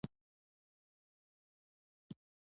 د امیر کروړ تر شعر وروسته د ابو محمد هاشم شعر دﺉ.